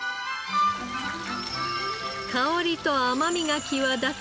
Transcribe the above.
香りと甘みが際立つ